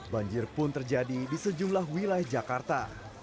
banjir pun terjadi di sejumlah wilayah jakarta